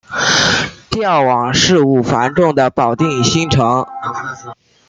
调往事务繁重的保定新城。